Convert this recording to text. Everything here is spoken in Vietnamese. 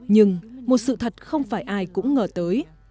nhưng một sự thật không phải ai cũng ngờ tới